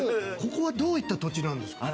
ここはどういった土地なんですか？